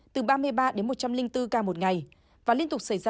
từ ba mươi ba đến một trăm linh bốn ca một ngày và liên tục xảy ra